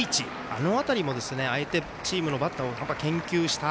あの辺りも相手チームのバッターを研究した。